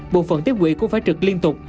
bộ phần tiếp quỷ cũng phải trực liên tục